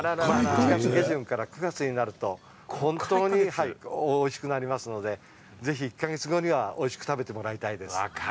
８月下旬から９月になると本当においしくなりますのでぜひ１か月後にはおいしく食べてもらいたいです。